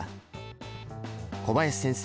小林先生